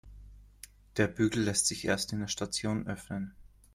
Der Bügel lässt sich erst in der Station öffnen.